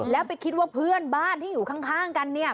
แล้วไปคิดว่าเพื่อนบ้านที่อยู่ข้างกันเนี่ย